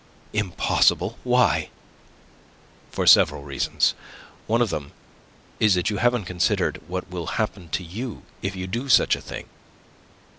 "Impossible? Why?" "For several reasons. One of them is that you haven't considered what will happen to you if you do such a thing."